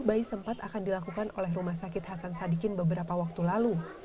bayi sempat akan dilakukan oleh rumah sakit hasan sadikin beberapa waktu lalu